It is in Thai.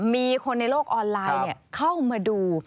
มีคนในโลกออนไลน์เข้ามาดู